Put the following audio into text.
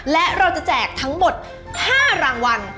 และเราจะแจกทั้งหมด๕รางวัล